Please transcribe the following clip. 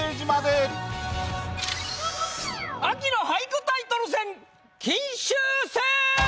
秋の俳句タイトル戦金秋戦！